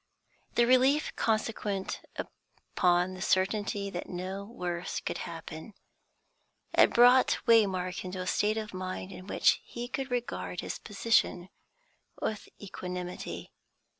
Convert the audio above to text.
The relief consequent upon the certainty that no worse could happen had brought Waymark into a state of mind in which he could regard his position with equanimity.